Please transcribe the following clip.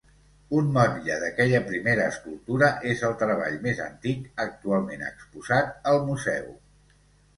Un motlle d'aquella primera escultura és el treball més antic actualment exposat al museu.